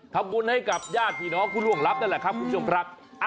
ทำบุญให้กับญาติพี่น้องผู้ล่วงลับนั่นแหละครับคุณผู้ชมครับ